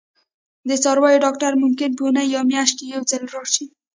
د څارویو ډاکټر ممکن په اونۍ یا میاشت کې یو ځل راشي